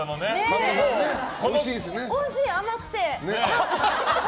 おいしい、甘くて。